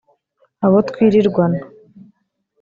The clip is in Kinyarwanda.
abo twirirwana